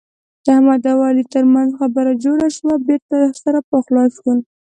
د احمد او علي ترمنځ خبره جوړه شوه. بېرته سره پخلا شول.